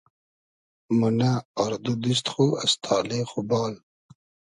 مونۂ آر دو دیست خو از تالې خو بال